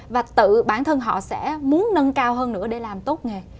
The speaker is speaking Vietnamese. và tự bản thân họ sẽ muốn nâng cao hơn nữa để làm tốt nghề